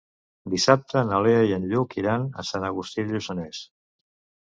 Dissabte na Lea i en Lluc iran a Sant Agustí de Lluçanès.